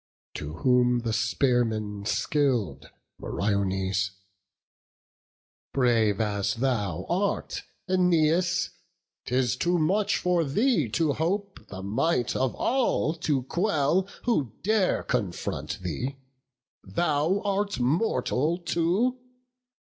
To whom the spearman skill'd, Meriones: "Brave as thou art, Æneas, 'tis too much For thee to hope the might of all to quell, Who dare confront thee; thou art mortal too!